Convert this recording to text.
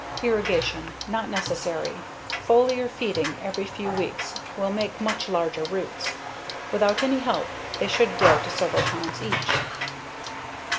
Irrigation: Not necessary. Foliar feeding every few weeks will make much larger roots. Without any help they should grow to several pounds each.